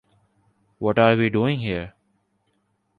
What Are We Doing Here?